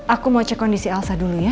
aku mau cek kondisi alsa dulu ya